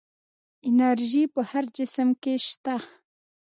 انرژي په هر جسم کې شته.